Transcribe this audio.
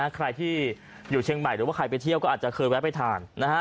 ใครที่อยู่เชียงใหม่หรือว่าใครไปเที่ยวก็อาจจะเคยแวะไปทาน